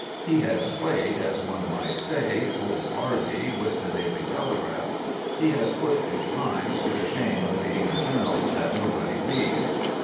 He has played, as one might say, old Harvey with the Daily Telegraph. He has put the Times to the shame of being a journal that "nobody reads."